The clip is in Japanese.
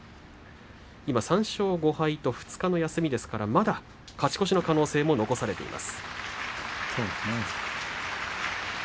今は３勝５敗と２日の休みですから、まだ勝ち越しの可能性も残されています。